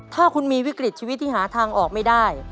ถ้าคุณมีวิกฤตชีวิตที่หาทางออกไม่ได้